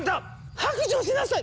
白状しなさい！